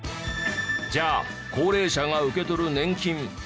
じゃあ高齢者が受け取る年金